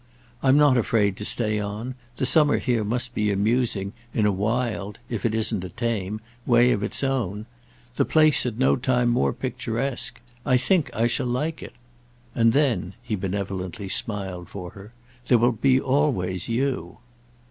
I'm not afraid to stay on; the summer here must be amusing in a wild—if it isn't a tame—way of its own; the place at no time more picturesque. I think I shall like it. And then," he benevolently smiled for her, "there will be always you."